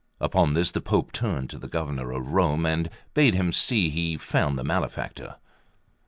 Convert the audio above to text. Upon this the Pope turned to the Governor of Rome, and bade him see he found the malefactor.